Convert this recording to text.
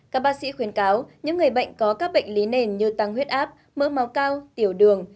các bác sĩ khuyến cáo những người bệnh có các bệnh lý nền như tăng huyết áp mỡ máu cao tiểu đường